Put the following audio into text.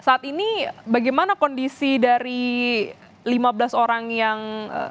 saat ini bagaimana kondisi dari lima belas orang yang